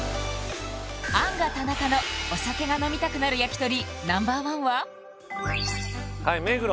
アンガ田中のお酒が飲みたくなる焼き鳥Ｎｏ．１ははい目黒